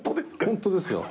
本当ですよ。